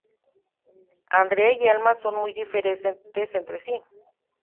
Andrea y Alma son muy diferentes entre sí.